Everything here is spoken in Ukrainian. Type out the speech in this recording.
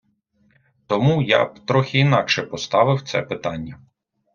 Тому я б трохи інакше поставив це питання.